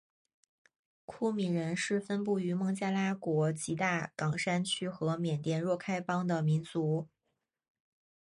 库米人是分布于孟加拉国吉大港山区和缅甸若开邦的民族。